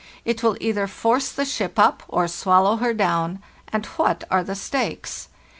It will either force the ship up or swallow her down. And what are the stakes?